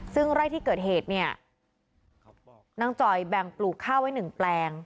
ซึ่งไร่ที่เกิดเหตุเนี่ยนางจอยแบ่งปลูกข้าวไว้หนึ่งแปลง